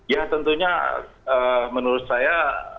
ya tentunya menurut saya